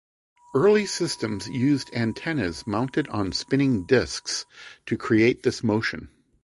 Early systems used antennas mounted on spinning disks to create this motion.